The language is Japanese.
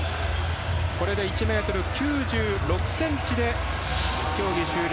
これで１ｍ９６ｃｍで競技終了。